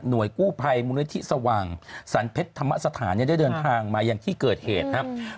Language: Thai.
หน่วยกู้ภัยมูลลิธิสว่างศรัลเพชรธรรมสถานได้เดินทางมายังที่เกิดเหตุภรรย์ครับ